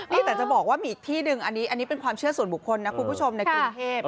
นี่แต่จะบอกหามีอีกที่นึงอันนี้เป็นความเชื่อส่งบุคคลในกรุงเทพณะครับ